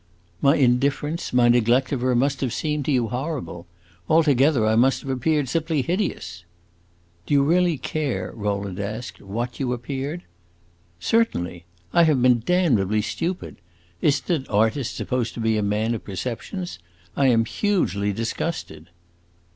"My indifference, my neglect of her, must have seemed to you horrible. Altogether, I must have appeared simply hideous." "Do you really care," Rowland asked, "what you appeared?" "Certainly. I have been damnably stupid. Is n't an artist supposed to be a man of perceptions? I am hugely disgusted."